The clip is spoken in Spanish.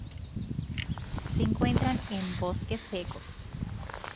Se encuentra en bosques secos.